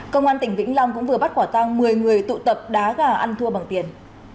công an tỉnh vĩnh long cũng vừa bắt quả tăng một mươi người tụ tập đá gà ăn thua bằng tiền